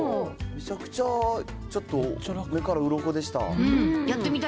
めちゃくちゃちょっと目からうろこでした。